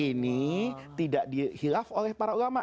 ini tidak dihilaf oleh para ulama